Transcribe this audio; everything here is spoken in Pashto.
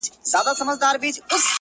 گراني په تا باندي چا كوډي كړي؛